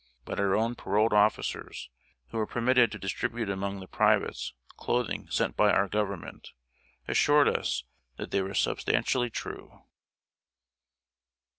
But our own paroled officers, who were permitted to distribute among the privates clothing sent by our Government, assured us that they were substantially true.